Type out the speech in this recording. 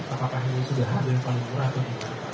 apakah ini sudah harga yang paling murah atau tidak